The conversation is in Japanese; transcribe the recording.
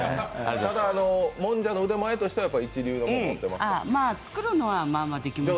ただ、もんじゃの腕前としては一流のものを持ってます？